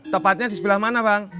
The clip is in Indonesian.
tepatnya di sebelah mana bang